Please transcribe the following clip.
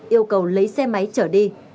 yêu cầu lấy xe máy trở đi